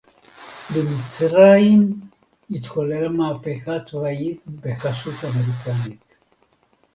במצרים התחוללה מהפכה צבאית בחסות אמריקנית